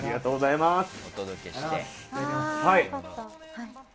いただきます。